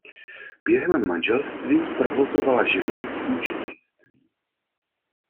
Během manželství provozovala živnost účetnictví.